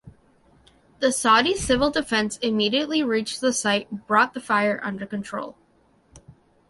The Saudi Civil Defense immediately reached the site brought the fire under control.